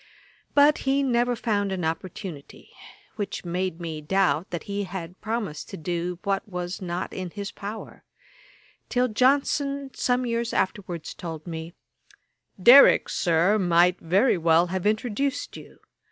But he never found an opportunity; which made me doubt that he had promised to do what was not in his power; till Johnson some years afterwards told me, 'Derrick, Sir, might very well have introduced you.